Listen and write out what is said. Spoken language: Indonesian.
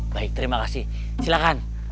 baik terima kasih silahkan